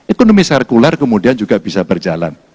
ekonomi serkular kemudian juga bisa berjalan